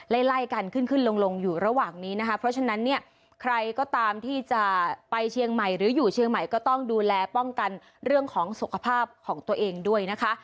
ไล่ไล่กันขึ้นขึ้นลงลงอยู่ระหว่างนี้นะคะเพราะฉะนั้นเนี่ยใครก็ตามที่จะไปเชียงใหม่หรืออยู่เชียงใหม่ก็ต้องดูแลป้องกันเรื่องของสุขภาพของตัวเองด้วยนะคะ